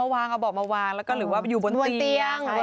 วางเอาเบาะมาวางแล้วก็หรือว่าอยู่บนเตียง